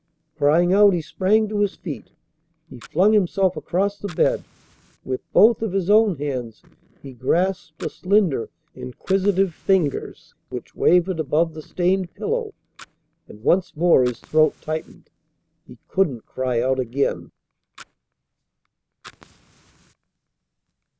Crying out, he sprang to his feet. He flung himself across the bed. With both of his own hands he grasped the slender, inquisitive fingers which wavered above the stained pillow, and once more his throat tightened. He couldn't cry out again.